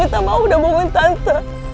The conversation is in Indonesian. yang kita mau udah mauin tante